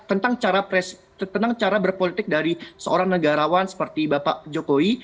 tentang cara berpolitik dari seorang negarawan seperti bapak jokowi